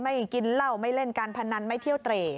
กินเหล้าไม่เล่นการพนันไม่เที่ยวเตร่